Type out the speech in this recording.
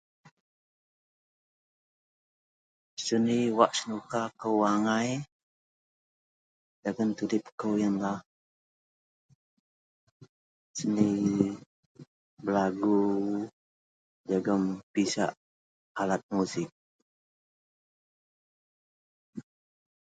Seni wak senuk.akou angai dagen tudip kou yenlah seni berlagu jegem pisak alat musik